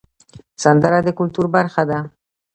سندره د کلتور برخه ده